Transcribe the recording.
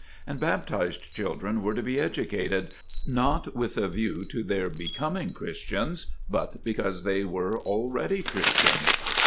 And baptized children were to be educated, "not with a view to their becoming Christians, but because they were already Christians."